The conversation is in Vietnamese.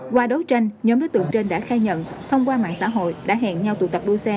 qua đấu tranh nhóm đối tượng trên đã khai nhận thông qua mạng xã hội đã hẹn nhau tụ tập đua xe